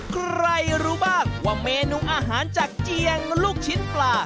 ใครรู้บ้างว่าเมนูอาหารจากเจียงลูกชิ้นปลา